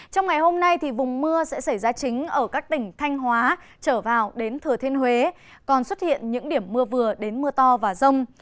trong ngày hôm nay vùng mưa sẽ xảy ra chính ở các tỉnh thanh hóa trở vào đến thừa thiên huế còn xuất hiện những điểm mưa vừa đến mưa to và rông